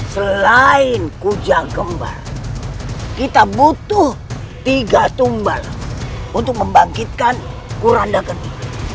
selain kuja gembal kita butuh tiga tumbal untuk membangkitkan kuranda gemi